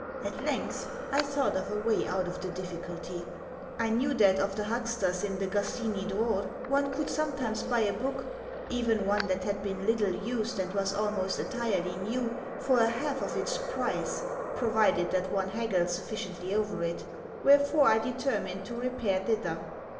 At length, I thought of a way out of the difficulty. I knew that of the hucksters in the Gostinni Dvor one could sometimes buy a book even one that had been little used and was almost entirely new for a half of its price, provided that one haggled sufficiently over it; wherefore I determined to repair thither.